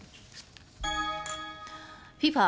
ＦＩＦＡ